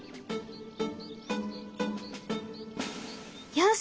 よし！